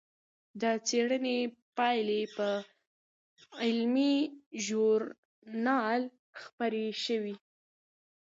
د څېړنې پایلې په علمي ژورنال خپرې شوې.